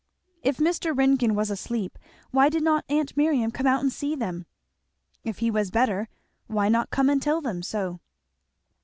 If Mr. Ringgan was asleep, why did not aunt Miriam come out and see them, if he was better, why not come and tell them so.